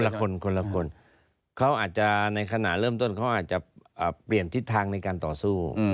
ละคนคนละคนเขาอาจจะในขณะเริ่มต้นเขาอาจจะเปลี่ยนทิศทางในการต่อสู้